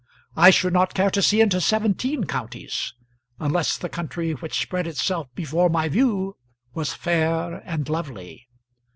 I should not care to see into seventeen counties, unless the country which spread itself before my view was fair and lovely.